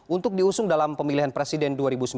untuk diusung dalam pemilihan presiden dua ribu sembilan belas